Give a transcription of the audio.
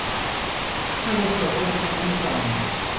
Água para o rosto, vinho para a alma.